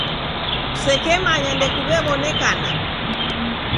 Kusekemanya ndekuw'ew'onekana.